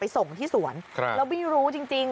ส่งที่สวนแล้วไม่รู้จริง